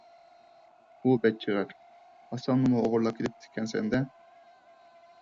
ھۇ بەچچىغەر، ھاسامنىمۇ ئوغرىلاپ كېتىپتىكەنسەن - دە!